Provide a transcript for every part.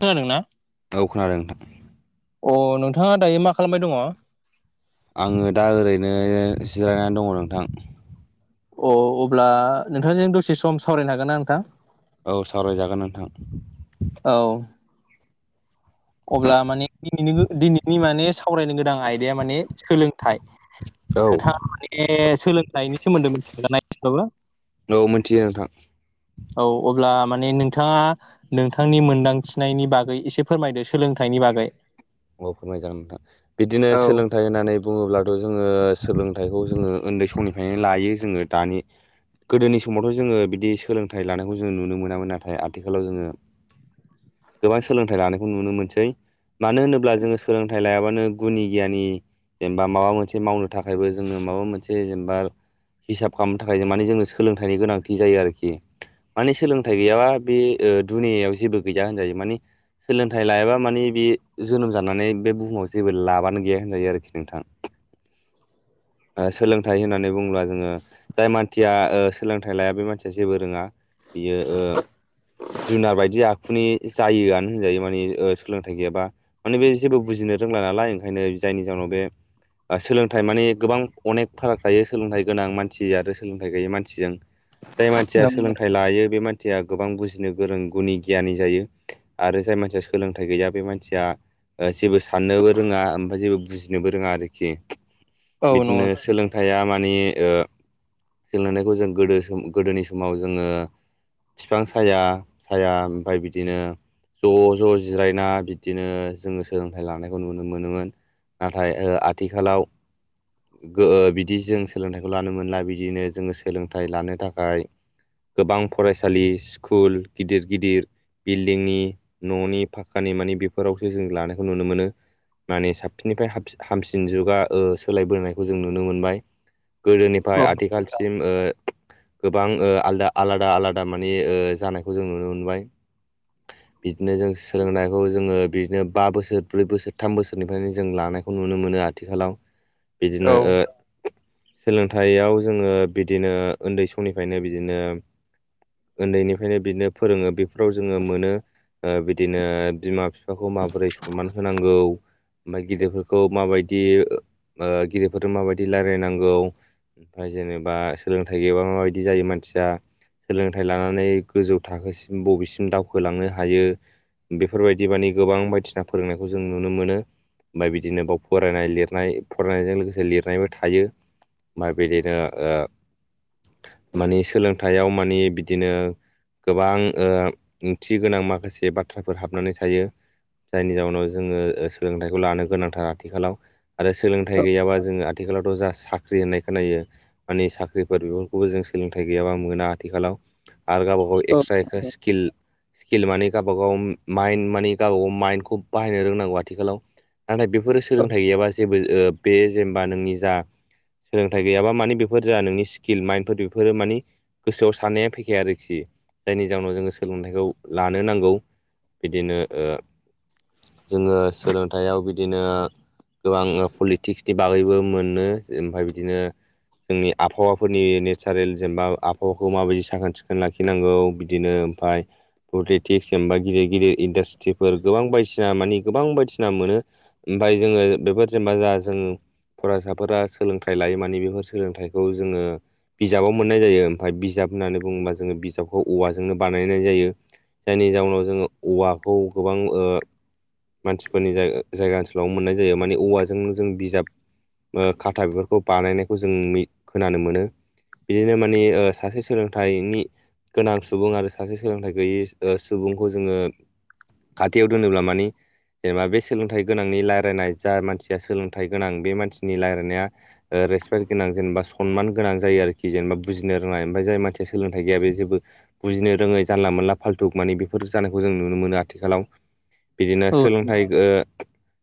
खोनादोंना? औ खोनादों नोंथां। अ नोंथाङा दायो मा खालामबाय दङ? आङो दा ओरैनो जिरायनानै दङ नोंथां। अ अब्ला नोंथांजों दसे सम सावरायनो हागोन ना नोंथां? औ सावरायजागोन नोंथां। औ अब्ला माने दिनिनि दिनैनि माने सावरायनो गोनां आयदाया माने सोलोंथाइ औ नोंथाङा माने सोलोंथाइनि सोमोन्दै मिथिगोना एसेबाबो? औ मिथियो नोंथां। औ अब्ला माने नोंथाङा नोंथांनि मोनदांथिनायनि बागै एसे फोरमायदो सोलोंथाइनि बागै औ फोरमाय जागोन नोंथां बिदिनो औ सोलोंथाइ होननानै बुङोब्लाथ' जोङो सोलोंथाइखौ जोङो उन्दै समनिफ्रायनो लायो जोङो दानि गोदोनि समावथ' जोङो बिदि सोलोंथाइ लानायखौ जों नुनो मोनामोन नाथाय आथिखालाव जोङो गोबां सोलोंथाइ लानायखौ नुनो मोनसै मानो होनो ब्ला जोङो सोलोंथाइ लायाबानो गुनि गियानि जेनबा माबा मोनसे मावनो थाखायबो जोङो माबा मोनसे जेनबा हिसाब खालामनो थाखाय जों माने जोंनो सोलोंथाइनि गोनांथि जायो आरोखि माने सोलोंथाइ गैयाबा बे ओ दुनियायाव जेबो गैया होनजायो मानि सोलोंथाइ लायाबा मानि बे जोनोम जानानै बे बुहुमाव जेबो लाबानो गैया होनजायो आरोखि नोंथां। ओ सोलोंथाइ होननानै बुंब्ला जोङो जाय मानसिया ओ सोलोंथाइ लाया बे मानसिया जेबो रोङा। बियो ओ जुनार बायदि आखुनि जायोआनो होनजायो माने ओ सोलोंथाइ गैयाबा। माने बे जेबो बुजिनो रोंला नालाय ओंखायनो जायनि जाहोनाव बे सोलोंथाइ माने गोबां अनेक फाराग थायो सोलोंथाइ गोनां मानसि आरो सोलोंथाइ गैयै मानसिजों। [inaudible] जाय मानसिया सोलोंथाइ लायो बे मान सिया गोबां बुजिनो गोरों गुनि गियानि जायो आरो जाय मानसिया सोलोंथाइ गैया बे मानसिया ओ जेबो साननोबो रोङा ओमफ्राय जेबो बुजिनोबो रोङा आरोखि औ बिदिनो नंगौ सोलों थाया मानि ओ जों नुनायखौ जों गोदो सम गोदोनि समाव जोङो फिफां साया साया ओमफाय बिदिनो ज' ज' जिरायना बिदिनो जोङो सोलोंथाइ लानायखौ नुनो मोनोमोन नाथाय ओ आथिखालाव गो बिदि जों सोलोंथाइखौ लानो मोनला बिदिनो जों सोलोंथाइ लानो थाखाय गोबां फरायसालि स्कुल गिदिर गिदिर बिल्डिंनि न'नि फाक्कानि मानि बेफोरावसो जों लानायखौ नुनो मोनो। माने साबसिननिफ्राय हाब हामसिन जुगा ओ सोलायबोनायखौ जों नुनो मोनबाय। गोदोनिफ्राय आथिखालसिम ओ गोबां ओ आलदा आलादा आलादा माने ओ जानायखौ जों नुनो मोनबाय। बिदिनो जों सोलोंनायखौ जोङो बिदिनो बा बोसोर ब्रै बोसोर थाम बोसोरनिफ्रायनो जों लानायखौ नुनो मोनो आथिखालाव। औ बिदिनो ओ सोलोंथाइयाव जोङो बिदिनो ओन्दै समनिफ्रायनो बिदिनो उन्दैनिफ्रायनो बिदिनो फोरोङो बेफोराव जोङो मोनो ओ बिदिनो बिमा फि फाखौ माबोरै सनमान होनांगौ? ओमफ्राय गिदिरफोरखौ माबायदि ओ गिदिरफोरजों माबायदि रायलायनांगौ? फ्राय जेनेबा सोलोंथाइ गैयाबा माबायदि जायो मानसिया? सोलोंथाइ लानानै गोजौ थाखोसिम बबेसिम दावखोलांनो हायो? बेफोरबायदि माने गोबां बायदिसिना फोरोंनायखौ जों नुनो मोनो। ओमफ्राय बिदिनो बाव फरायनाय लिरनाय फरायनायजों लोगोसे लिरनायबो थायो। मा बिदिनो ओ मानि सोलोंथाइयाव मानि बिदिनो गोबां ओ ओंथि गोनां माखासे बाथ्राफोर हाबनानै थायो। जायनि जाउनाव जोङो ओ सोलोंथाइखौ लानो गोनांथार आथिखालाव आरो सोलोंथाइ गैयाबा जोङो आथिखालावथ' जा साख्रि होननाय खोनायो माने साख्रिफोर बेफोरखौबो जों सोलोंथाइ गैयाबा मोना आथिखालाव। आरो गावबाागाव औ एक्स्रा एक्स्रा स्किल स्किल माने गावबागाव माइन्द मानि गावबा गाव माइन्दखौ बाहायनो रोंनांगौ आथिखालाव नाथाय बेफोरो औ सोलोंथाइ गैयाबा जेबो ओ बे जेनेबा नोंनि जा सोलोंथाइ गैयाबा मानि बेफोर जा नोंनि स्किल माइन्डफोर बेफोरो मानि गोसोआव साननाया फैखाया आरोखि जायनि जाहोनाव जोङो सोलोंथाइखौ लानो नांगौ। बिदिनो ओ जोङो सोलोंथायाव बिदिनो गोबां पलिटिक्सनि बागैबो मोनो ओमफाय बिदिनो जोंनि आबहावाफोरनि नेसारेल जेनेबा आबहावाखौ माबायदि साखोन सिखोन लाखिनांगौ बिदिनो फाय पलिटिक्स एबा गिदिर गिदिर इन्डास ट्रिफोर गोबां बायदिसिना मानि गोबां बायदिसिना मोनो ओमफाय जोङो बेफोर जेनेबा जा जों फरायसाफोरा सोलोंथाइ लायो माने बेफोर सोलोंथाइखौ जोङो बिजाबाव मोननाय जायो ओमफाय बिजाब होननानै बुङोबा जोङो बिजाबखौ औवाजोंनो बानायनाय जायो। जायनि जाउनाव जोङो औवाखौ गोबां ओ मानसिफोरनि जय-जायगा ओनसोलाव मोननाय जायो माने औवाजोंनो जों बिजाब ओ खाथा बेफोरखौ बानायनायखौ जों मि खोनानो मोनो। बिदिनो माने ओ सासे सोलोंथाइनि गोनां सुबुं आरो सासे सोलोंथाइ गैयै ओ सुबुंखौ जोङो खाथियाव दोनोब्ला माने जेनेबा बे सोलोंथाइ गोनांनि लारायनाय जा मानसिया सोलोंथाइ गोनां बे मानसिनि लारायनाया ओ रेसपेक्ट गोनां जेनेबा सनमान गोनां जायो आरोखि जेनेबा बुजि रोंनाय ओमफ्राय जाय मानसिया सोलोंथाइ गैया बे जेबो बुजिनो रोङै जानला मोनला फाल्थुग माने बेफोर जानायखौ जों नुनो मोनो आ थिखालाव बिदिनो सोलोंथाइ ओ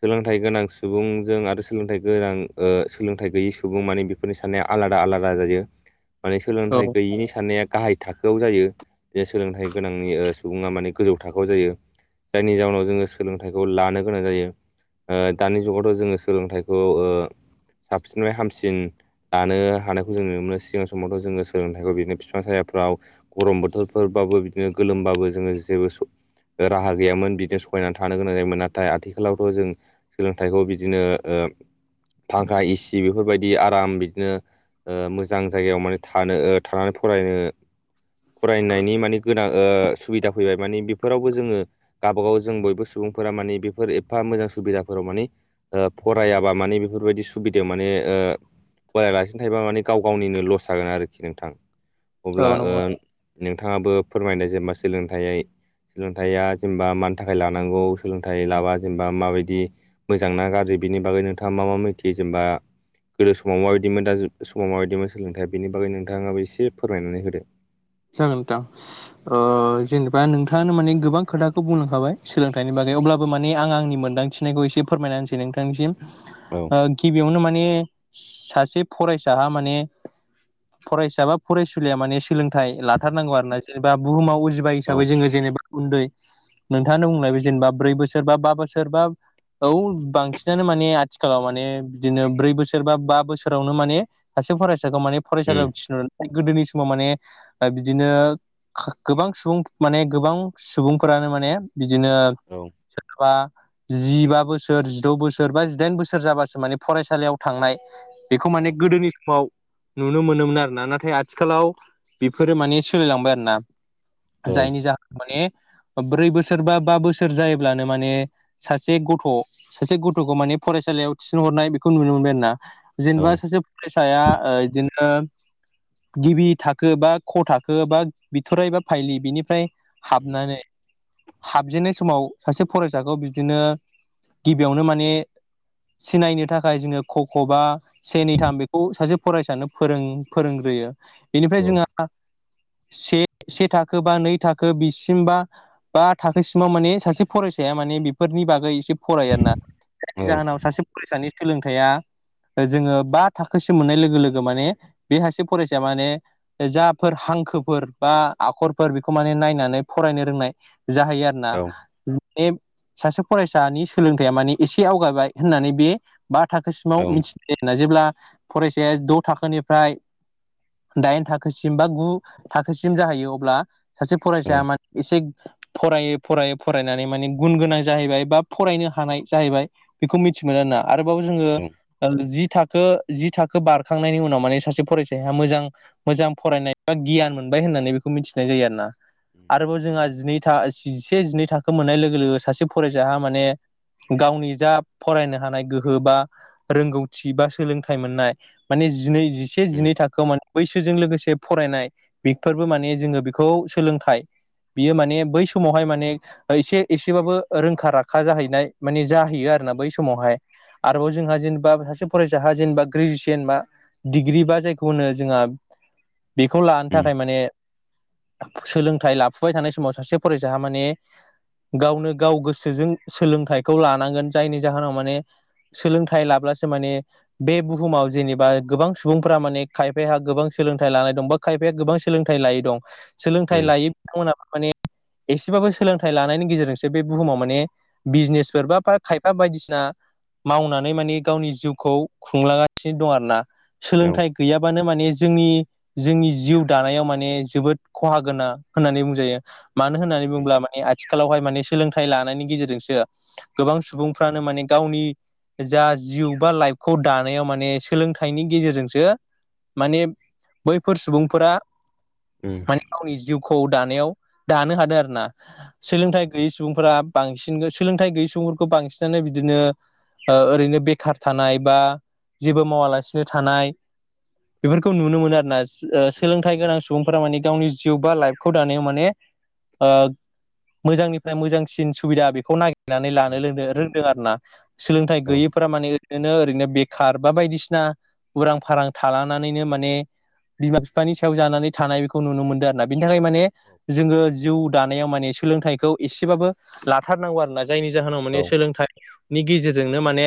सोलोंथाइ गोनां सुबुंजों आरो सोलोंथाइ गोनां ओ सोलोंथाइ गैयै सुबुं मानि बे फोरनि साननाया आलादा आलादा जायो। माने औ सोलोंथाइ गैयिनि साननाया गाहाय थाखोआव जायो जे सोलोंथाइ गोनांनि ओ सुबुङा माने गोजौ थाखोआव जायो जायनि जााहनाव जोङो सोलोंथाइखौ लानो गोनां जायो। ओ दानि जुगावथ' जोङो सोलोंथाइखौ ओ साबसिननिफ्राय हामसिन लानो हानायखौ जों नुनो मोनो सिगां समावथ' जोङो सोलोंथाइखौ बिदिनो फिफां सायाफ्राव गरम बोथोरफोरबाबो बिदिनो गोलोमबाबो जोङो जेबो स राहा गैयामोन बिदिनो सहायनानै थानो गोनां जायोमोन नाथाय आथिखालावथ' जों सोलोंथाइखौ बिदिनो ओ फांखा एसि बेफोरबायदि आराम बिदिनो ओ मोजां जायगायाव माने थानो थानानै फरायनो फरायनायनि माने गोनां ओ सुबिदा फैबाय माने बे फोरावबो जोङो गावबागाव जों बयबो सुबुंफोरा माने बेफोर एफा मोजां सुबिदाफोराव माने ओ फरायाबा माने बेफोरबायदि सुबिदायाव माने ओ फरायालासिनो थायोबा माने गाव गावनिनो लस जागोन आरोखि नोंथां औ अब्ला ओ नंगौ नोंथाङाबो फोरमायदों जेनेबा सोलोंथाइै सोलोंथाइया जेनेबा मानि थाखाय लानांगौ सोलोंथाइ लाबा जेनेबा माबायदि मोजां ना गाज्रि बिनि बागै नोंथाङा मा मा मिथियो जेनेबा गोदो समाव माबायदिमोन दा समाव माबायदिमोन सोलोंथाइया बेनि बागै नोंथाङाबो एसे फोरमायनानै होदो। जागोन नोंथां। ओ जेनेबा नोंथाङानो माने गोबां खोथाखौ बुंलांखाबाय सोलोंथाइनि बागै अब्लाबो माने आं आंनि मोनदांथिनायखौ एसे फोरमायनानै होनसै नोंथांनिसिम औ ओ गिबियावनो माने सासे फरायसाहा माने फरायसा बा फरायसुलिया माने सोलों थाय लाथारनांगौ आरो ना जेनेबा बुहुमाव उजिबाय औ हिसाबै जोङो जेनेबा उन्दै नोंथाङा बुंनाय बे जेनेबा ब्रै बोसोर बा बा बोसोर बा औ बांसिनानो माने आथिखालाव माने बिदिनो ब्रै बोसोर बा बा बोसोरावनो माने सासे फरायसाखौ माने उम फरायसालियाव थिनरनाय गोदोनि समाव माने बिदिनो खा गोबां सुबुं माने गोबां सुबुंफोरानो माने बिदिनो औ [unintelligible] जिबा बोसोर जिद' बोसोर बा जिदाइन बोसोर जाबासो माने फरायसालियाव थांनाय बेखौ औ माने गोदोनि समाव नुनो मोनोमोन आरोना नाथाय आथिखालाव बेफोरो माने सोलिलांबाय आरोना औ जायनि जाहोनाव माने ब्रै बोसोर बा बा बोसोर जायोब्लानो माने सासे गथ' सासे गथ'खौ माने फरायसालियाव थिसनहरनाय बेखौ नुनो मोनबाय आरोना। औ जेनेबा सासे फरायसाया ओ इदिनो गिबि थाख खो बा क थाखो बा बिथराइ बा फाइलि बिनिफ्राय उम हाबनानै हाबजेनन्नाय समाव सासे फरायसाखौ बिदिनो गिबियावनो माने सिनायनो थाखाय जोङो क ख बा से, नै, थाम बेखौ सासे फरायसायानो फोरों फोरोंग्रोयो औ बेनिफ्राय जोंहा से से थाखो बा नै थाखो बिसिमबा बा थाखोसिमाव माने सासे फरायसाया माने बेफोरनि बागै एसे फरायो आरो ना जायनि औ जाहोनाव सासे फरायसानि सोलोंथाइया जोङो बा थाखोसिम मोननाय लोगो लोगो माने बे सासे फरायसाया माने जाफोर हांखोफोर बा आखरफोर बेखौ माने नायनानै फरायनो रोंनाय जाहैयो आरो। ना औ बे सासे फरायसानि सोलोंथाइया माने एसे आवगायबाय होननानै बे बा औ थाखोसिमाव मिथिनाय जायो आरो ना जेब्ला फरायसाया द' थाखोनिफ्राय दाइन थाखोसिम बा गु थाखोसिम जाहैयो अब्ला सासे फरायसाया माने एसे फरायै फरायै फरायनानै माने गुन गोनां जाहैबाय बा फरायनो हानाय जाहैबाय बेखौ मिथिमोनो आरोना आरोबाव जोङो उम जि थाखो जि थाखो बारखांनायनि उनाव माने सासे फरायसाया मोजां मोजां फरायनाय बा गियान मोनबाय होननानै बेखौ मिथिनाय जायो आरो ना आरोबाव जोंहा जिनैथा जिसे जिनै थाखो मोननाय लोगो लोगो सासे फरायसाया माने गावनि जा फरायनो हानाय गोहो बा रोंगौथि बा सोलोंथाइ मोननाय माने जिनै जिसे उम जिनै थाखोआव माने बैसोजों लोगोसे फरायनाय बेफोरबो माने जोङो बेखौ सोलोंथाइ बियो माने बै समावहाय माने एसे एसेबाबो रोंखा-राखा जाहैनाय माने जा हैयो आरोना बै समावहाय आरोबाव जोंहा जेनबा सासे फरायसाहा जेनबा ग्रेजुसियेन बा डिग्रि बा जायखौ होनो जोंहा बेखौ लानो उम थाखाय माने सोलोंथाइ लाफुबाय थानाय समाव सासे फरायसाहा माने गावनो गाव गोसोजों सोलोंथाइखौ लानांगोन जायनि जाहोनाव माने सोलोंथाइ लाब्लासो माने बे बुहुमाव जेनेबा गोबां सुबुंफोरा माने खायफाहा गोबां सोलोंथाइ लानाय दं बा खायफाया गोबां सोलोंथाइ लायै दं सोलोंथाइ लायै बिथांमोनाबो माने एसेबाबो सोलोंथाइ लानायनि गेजेरजोंसो बे बुहुमाव माने बिजनेसफोर बा खायफा बायदिसिना मावनानै माने गावनि जिउखौ खुंलांगासिनो दं आरोना औ सोलोंथाइ गैयाबानो माने जोंनि जोंनि जिउ दानायाव माने जोबोद खहा गोनां होननानै बुंजायो। मानो होननानै उम बुङोब्ला माने आथिखालावहाय माने सोलोंथाइ लानायनि गेजेरजोंसो गोबां सुबुंफ्रानो माने गावनि जा जिउ बा लाइफखौ दानायाव माने सोलोंथाइनि गेजेरजोंसो माने बैफोर सुबुंफोरा उम माने गावनि जिउखौ दानायाव दानो हादों आरो ना। औ सोलोंथाइ गैयै सुबुंफोरा बांसिननो सोलोंथाइ गैयै सुबुंफोरखौ बांसिनानो बिदिनो ओ ओरैनो बेखार थानाय बा जेबो मावालासिनो थानाय खौ नुनो मोनो आरोना ओ सोलोंथाइ गोनां सु सुबुंफोरा माने गावनि जिउ बा लाइफखौ दानायाव माने ओ मोजांनिफ्राय मोजांसिन सुबिदा बेखौ नागि रनानै लानो रोंदों रोंदों आरो ना सोलोंथाइ गैयैफोरा माने ओरैनो ओरैनो बे कार बा बायदिसिना उरां-फारां थालानानैनो मा ने बिमा-बिफानि सायाव जानानै थानाय बेखौ नुनो मोनदों आरोना बिनि थाखाय माने जोङो जिउ दानायाव माने सोलोंथाइखौ एसेबाबो लाथारनांगौ आरोना जायनि जाहोनाव माने सोलोंथाइ नि गेजेरजोंनो माने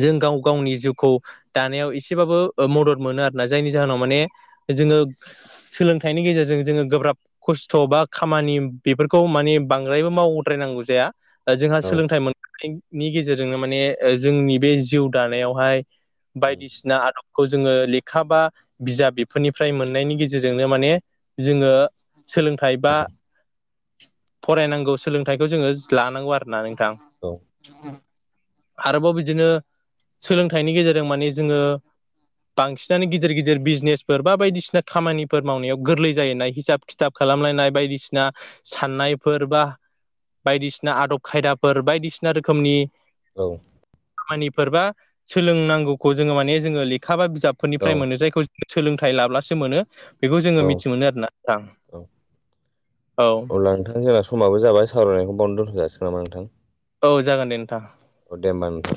जों गाव गावनि जिउखौ दानायाव एसेबाबो मदद मोनो आरो। जायनि जाहोनाव माने जोङो सोलोंथाइनि गेजेरजों जोङो गोब्राब खस्थ' बा खामानि बेफोरखौ माने बांद्रायबो मावद्रायनांगौ जाया। जोंहा औ सोलोंथाइ मोनखांनायनि गेजेरजोंनो माने जोंनि बे जिउ दानायावहाय बायदिसिना आदबखौ जोङो लि खा बा बिजाब बेफोरनिफ्राय मोननायनि गेजेरजोंनो माने जोङो सोलों खायबा फरायनांगौ सोलोंथाइखौ जोङो लानांगौ आरो ना नोंथां। औ आरोबाव बिदिनो सोलोंथाइनि गेजेरजों मानि जोङो बांसिनानो गिदिर गिदिर बिजनेसफोर बा बायदिसिना खामानिफोर मावनायाव गोरलै जायोना हिसाब खिथाब खालामलायनाय बायदिसिना। साननायफोर बा बायदिसिना आदब खायदाफोर बायदिसिना रोखोमनि औ खामानिफोर बा सोलोंनांगौखौ जोङो माने जोङो लेखा बा औ बिजाबफोरनिफ्राय मोनो जायखौ जो सोलोंथाइ लाब्लासो मोनो। बेखौ जोङो औ मिथि मोनो आरोना नोंथां औ। ब्ला नोंथां जोंना स समाबो जाबाय सावरायनायखौ बावनो दोनथ'जासिगोन नामा नोंथां? औ जागोन दे नोंथां। औ दे होमबा नोंथां।